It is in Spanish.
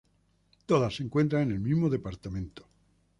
Todas se encuentran en el mismo departamento.